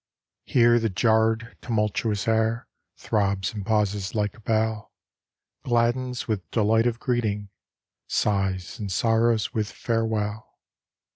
Here the jarred, tumultuous air Throbs and pauses like a bell, Gladdens with delight of greeting, Sighs and sorrows with farewell.